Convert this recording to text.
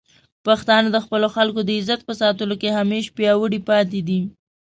پښتانه د خپلو خلکو د عزت په ساتلو کې همیشه پیاوړي پاتې دي.